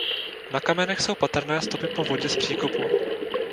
Na kamenech jsou patrné stopy po vodě z příkopu.